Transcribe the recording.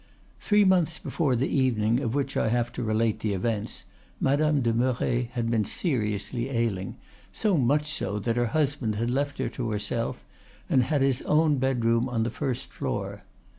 Three months before the evening of which I have to relate the events, Madame de Merret had been seriously ailing, so much so that her husband had left her to herself, and had his own bedroom on the first floor.